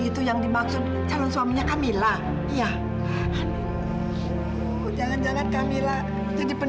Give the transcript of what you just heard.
tunggu ya tunggu ya